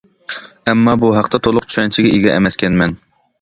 ئەمما بۇ ھەقتە تولۇق چۈشەنچىگە ئىگە ئەمەسكەنمەن.